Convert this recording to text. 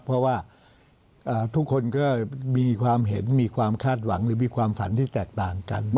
เพราะว่าทุกคนก็มีความเห็นมีความคาดหวังหรือมีความฝันที่แตกต่างกัน